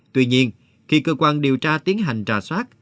tuy nhiên khi cơ quan điều tra tiến hành trà soát